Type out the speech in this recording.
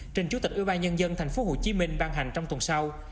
trình chủ tịch ủy ban nhân dân tp hcm ban hành trong tuần sau